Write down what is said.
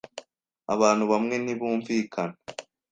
Abantu bamwe ntibumvikana.